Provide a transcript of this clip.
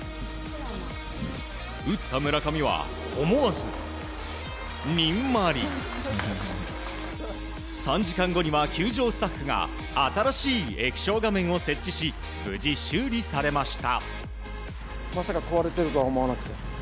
打った村上は、思わずにんまり。３時間後には、球場スタッフが新しい液晶画面を設置し無事、修理されました。